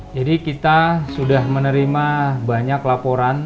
jadi kita sudah menerima banyak laporan